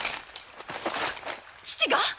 父が？